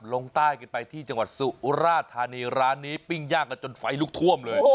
ลงใต้กันไปที่จังหวัดสุราธานีร้านนี้ปิ้งย่างกันจนไฟลุกท่วมเลย